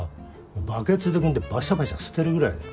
バケツでくんでバシャバシャ捨てるぐらいだよ